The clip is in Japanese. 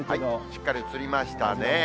しっかり映りましたね。